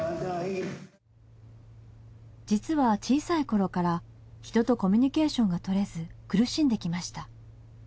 実は小さいころから人とコミュニケーションが取れず苦しんできました。